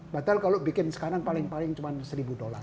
batal kalau bikin sekarang paling paling cuma seribu dolar